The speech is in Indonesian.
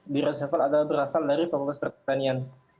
di reshuffle adalah berasal dari fakultas pertanian